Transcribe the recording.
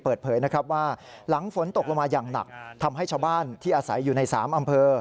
เปิดเผยนะครับว่าหลังฝนตกลงมาอย่างหนักทำให้ชาวบ้านที่อาศัยอยู่ใน๓อำเภอ